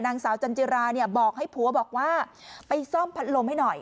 นางสาวจันจิราเนี่ยบอกให้ผัวบอกว่าไปซ่อมพัดลมให้หน่อย